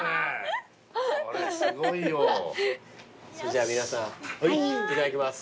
じゃあ皆さんいただきます。